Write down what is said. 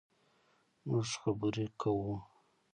مونږ خبرې کوو